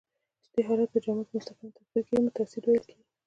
دې حالت ته چې جامد مستقیماً تبخیر کیږي تصعید ویل کیږي.